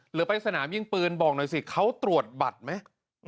หรือไปสนามยิงปืนบอกหน่อยสิเขาตรวจบัตรไหม